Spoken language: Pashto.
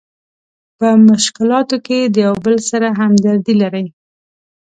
په مشکلاتو کې د یو بل سره همدردي لري.